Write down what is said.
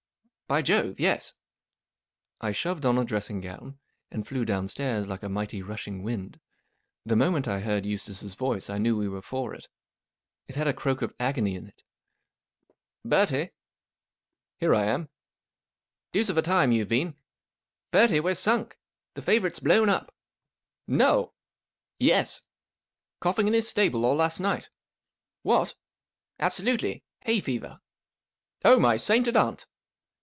" By Jove, yes !" I shoved on a dressing gown, and flew downstairs like a mighty, rushing wind. The moment I heard Eustace's voice I knew we were for it. It had a croak of agony in it. '" Bertie P Jl " Here I am/ 1 " Deuce of a time you've been, Bertie, we're sunk. The favourite's blown up." " No !" f< Yes. Coughing in his stable all last night." " What !'•" Absolutely 1 Hay fever." ,f Oh, my sainted aunt